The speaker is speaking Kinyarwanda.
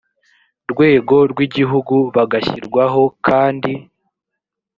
rwego rw igihugu bagashyirwaho kandi